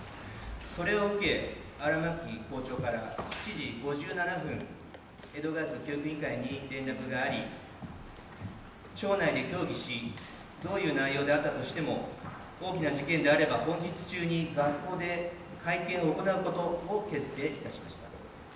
それをウケ、荒巻校長から江戸川区教育委員会に連絡があり、庁内で協議し、どういう内容であったとしても、大きな事件であれば本日中に学校で会見を行うことを決定いたしました。